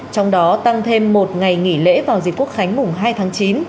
trong đó tăng thêm một ngày nghỉ lễ vào dịp quốc khánh mùng hai tháng chín